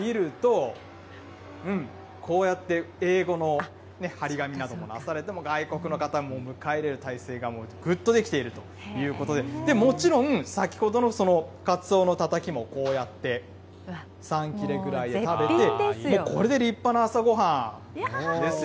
ちょっと見ると、うん、こうやって英語の貼り紙などもなされて、外国の方を迎え入れる体制がぐっとできているということで、もちろん、先ほどのカツオのたたきも、こうやって３切れぐらい食べて、もうこれで立派な朝ごはんですよ。